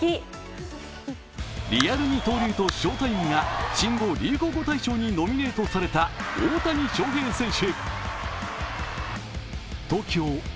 リアル二刀流と翔タイムが新語・流行語大賞にノミネートされた大谷翔平選手。